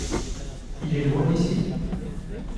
Il est loin d’ici ?